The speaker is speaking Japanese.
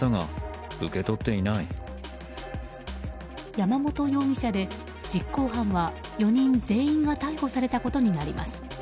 山本容疑者で実行犯は４人全員が逮捕されたことになります。